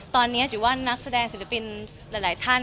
ตอนนี้ถือว่านักแสดงศิลปินหลายท่าน